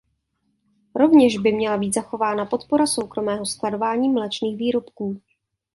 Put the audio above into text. Rovněž by měla být zachována podpora soukromého skladování mléčných výrobků.